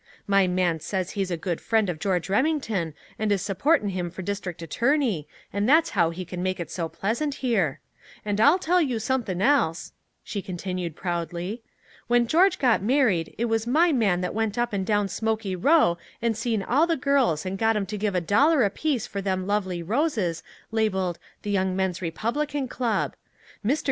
My man says he's a good friend of George Remington and is supportin' him for district attorney, and that's how he can make it so pleasant here. "And I'll tell you something else," she continued proudly. "When George got married, it was my man that went up and down Smoky Row and seen all the girls and got 'em to give a dollar apiece for them lovely roses labeled 'The Young Men's Republican Club.' Mr.